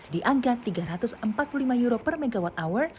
di angka tiga ratus empat puluh lima euro per megawatt hour